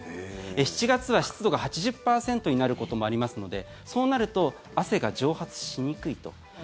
７月は湿度が８０％になることもありますのでそうなると汗が蒸発しにくいと。